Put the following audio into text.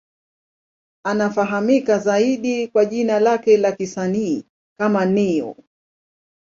Anafahamika zaidi kwa jina lake la kisanii kama Ne-Yo.